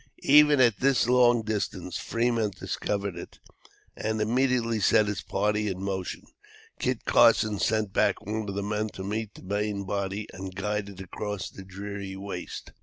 Even at this long distance Fremont discovered it, and immediately set his party in motion. Kit Carson sent back one of the men to meet the main body, and guide it across the dreary waste.